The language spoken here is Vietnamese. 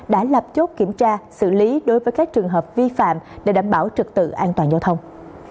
đã lập chốt kiểm tra xử lý đối với các trường hợp vi phạm để đảm bảo trực tự an toàn giao thông